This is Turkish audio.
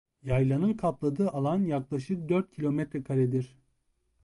Yaylanın kapladığı alan yaklaşık dört kilometrekaredir.